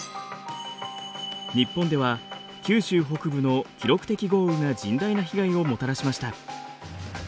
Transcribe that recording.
日本では九州北部の記録的豪雨が甚大な被害をもたらしました。